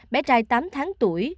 bé trai tám tháng tuổi